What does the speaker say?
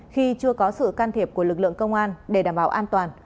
khi chưa có sự can thiệp của lực lượng công an để đảm bảo an toàn